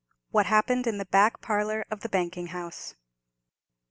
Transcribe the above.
WHAT HAPPENED IN THE BACK PARLOUR OF THE BANKING HOUSE.